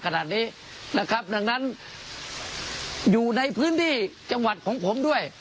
คนที่เสียสละขนาดนี้ด้านนั้นอยู่ในพื้นที่จังหวัดของผมด้วย